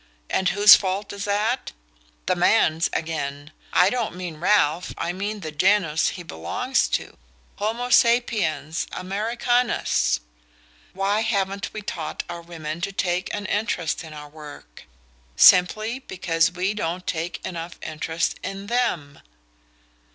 And whose fault is that? The man's again I don't mean Ralph I mean the genus he belongs to: homo sapiens, Americanus. Why haven't we taught our women to take an interest in our work? Simply because we don't take enough interest in THEM."